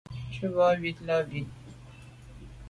Tshu bo ywit là bit.